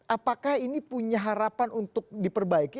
apakah ini punya harapan untuk di perbaiki